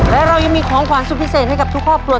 และเรายังมีของขวานสุดพิเศษให้กับทุกครอบครัว